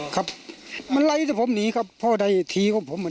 ครับมันไลดแต่ผมหนีครับเพราะใดทีคนไอก็หมดแล้ว